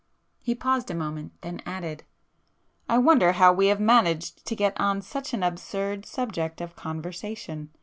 He paused a moment, then added—"I wonder how we have managed to get on such an absurd subject of conversation?